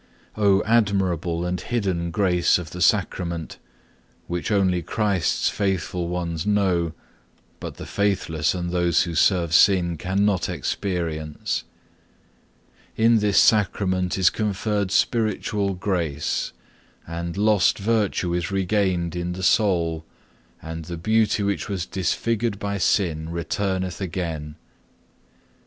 Oh admirable and hidden grace of the Sacrament, which only Christ's faithful ones know, but the faithless and those who serve sin cannot experience! In this Sacrament is conferred spiritual grace, and lost virtue is regained in the soul, and the beauty which was disfigured by sin returneth again.